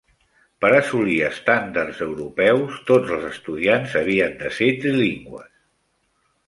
Per assolir estàndards europeus, tots els estudiants havien de ser trilingües.